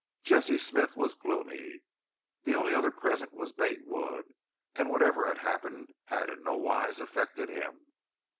Jesse Smith was gloomy. The only other present was Bate Wood, and whatever had happened had in no wise affected him.